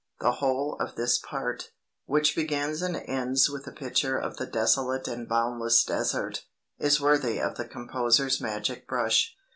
The whole of this part, which begins and ends with a picture of the desolate and boundless desert, is worthy of the composer's magic brush.